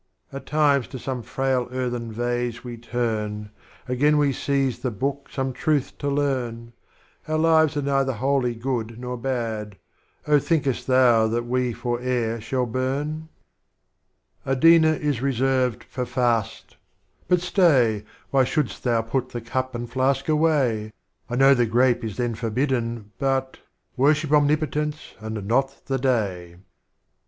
At times to some frail earthen Vase we turn. Again we seize the Book some Truth to Learn; Our Lives are neither wholly Good nor Bad, Oh thinkest Thou that we fore'er shall burn? 64 Strophes of Omar Khayyam. Adfna'" is reserved for Fast,— but stay, Why should'st Thoii put the Cup and Flask away? I know the Grape is then forbidden, but — Worship Omnipotence, and not the Day.